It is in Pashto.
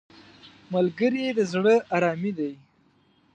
ملګری د زړه آرامي دی